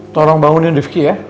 tolong bangunin rifki ya